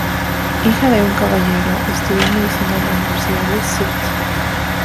Hijo de un caballero, estudió medicina en la Universidad de St.